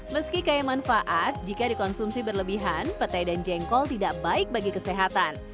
meski kaya manfaat jika dikonsumsi berlebihan petai dan jengkol tidak baik bagi kesehatan